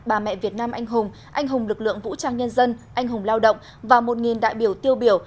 bà mẹ việt nam anh hùng anh hùng lực lượng vũ trang nhân dân anh hùng lao động và một đại biểu tiêu biểu